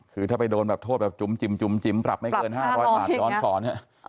คือถ้าไปโดนโทษจุ้มจิ้มปรับไม่เกิน๕๐๐บาทร้อนกรอน